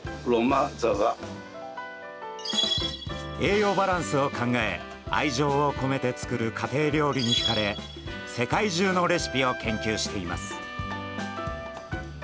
栄養バランスを考え愛情を込めて作る家庭料理にひかれ世界中のレシピを研究しています。